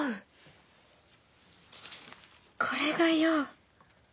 これが「よう」！